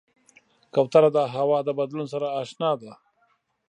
کوتره د هوا د بدلون سره اشنا ده.